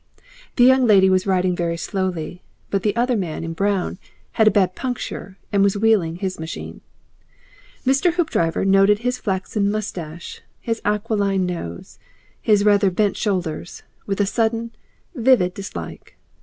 The young lady was riding very slowly, but the other man in brown had a bad puncture and was wheeling his machine. Mr. Hoopdriver noted his flaxen moustache, his aquiline nose, his rather bent shoulders, with a sudden, vivid dislike.